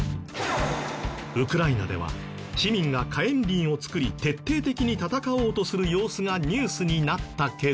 ウクライナでは市民が火炎瓶を作り徹底的に戦おうとする様子がニュースになったけど。